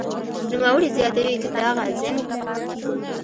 نوموړې زیاتوي که دغه زېنک